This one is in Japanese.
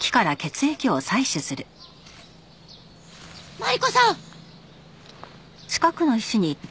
マリコさん！